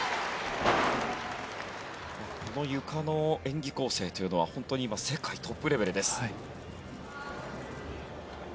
このゆかの演技構成というのは今、世界トップレベルです。